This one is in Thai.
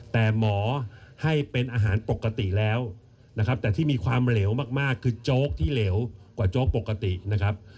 แต่หมอให้เป็นอาหารปกติแล้วนะครับแต่ที่มีความเหลวมากคือโจ๊กที่เหลวกว่าโจ๊กปกตินะครับ